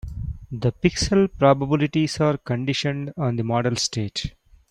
The pixel probabilities are conditioned on the model state.